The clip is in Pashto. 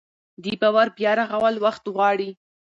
د باور بیا رغول وخت غواړي